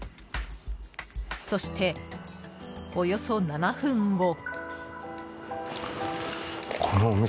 そして、およそ７分後。